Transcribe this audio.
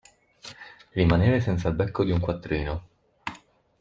Rimanere senza il becco di un quattrino.